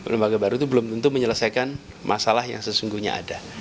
lembaga baru itu belum tentu menyelesaikan masalah yang sesungguhnya ada